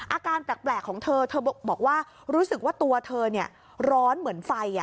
อาการแปลกของเธอเธอบอกว่ารู้สึกว่าตัวเธอร้อนเหมือนไฟ